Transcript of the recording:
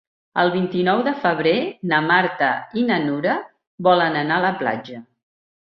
El vint-i-nou de febrer na Marta i na Nura volen anar a la platja.